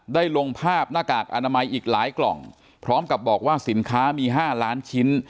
ลงภาพหน้ากากอนามัยอีกหลายกล่องพร้อมกับบอกว่าสินค้ามี๕ล้านชิ้น